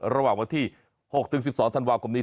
ระหว่างวันที่ออกซึ่งสิบสองทันวาคมนี้